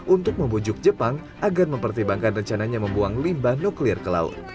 untuk membujuk jepang agar mempertimbangkan rencananya membuang limba nuklir ke laut